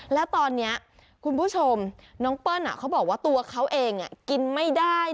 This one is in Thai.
แล้วตอนนี้คุณผู้ชมน้องเปิ้ลเขาบอกว่าตัวเขาเองกินไม่ได้